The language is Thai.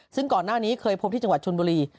ซึ่งก่อนหน้านี้เคยพบที่จังหวัดชนบุรี